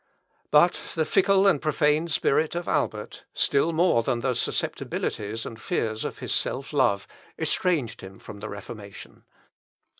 But the fickle and profane spirit of Albert, still more than the susceptibilities and fears of his self love, estranged him from the Reformation.